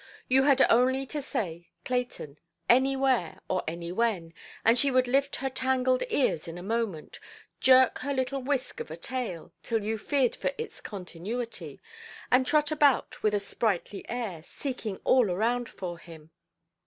You had only to say "Clayton", anywhere or anywhen, and she would lift her tangled ears in a moment, jerk her little whisk of a tail, till you feared for its continuity, and trot about with a sprightly air, seeking all around for him.